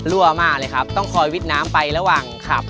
รั่วมากเลยครับต้องคอยวิทย์น้ำไประหว่างขับ